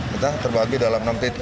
kita terbagi dalam enam titik